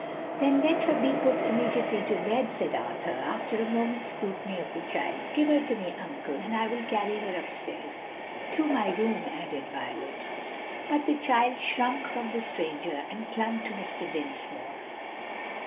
"Then let her be put immediately to bed," said Arthur, after a moment's scrutiny of the child. "Give her to me, uncle, and I will carry her up stairs." "To my room," added Violet. But the child shrunk from the stranger, and clung to Mr. Dinsmore.